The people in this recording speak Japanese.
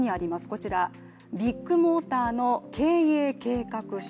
こちらビッグモーターの経営計画書。